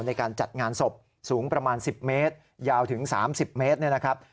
ในการจัดงานศพสูงประมาณ๑๐เมตรยาวถึง๓๐เมตรเนี่ยนะครับ